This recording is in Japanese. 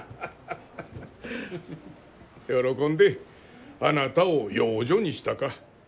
喜んであなたを養女にしたか。